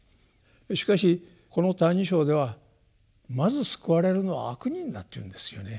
しかしこの「歎異抄」ではまず救われるのは「悪人」だと言うんですよね。